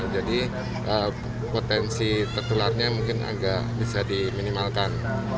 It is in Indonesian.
jadi potensi tertularnya mungkin agak bisa diminimalkan